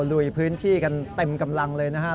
ลุยพื้นที่กันเต็มกำลังเลยนะฮะ